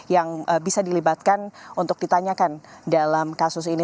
yang bisa dilibatkan untuk ditanyakan dalam kasus ini